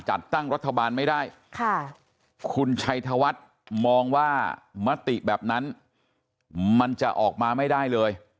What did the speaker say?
จัดตั้งรัฐบาลไม่ได้คุณชัยธวัฒน์มองว่ามติแบบนั้นมันจะออกมาไม่ได้เลย